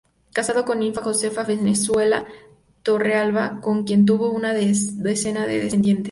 Casado con Ninfa Josefa Valenzuela Torrealba, con quien tuvo una decena de descendientes.